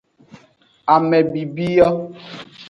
Ame bibi yo.